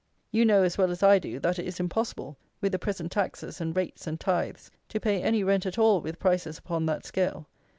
You know, as well as I do, that it is impossible, with the present taxes and rates and tithes, to pay any rent at all with prices upon that scale.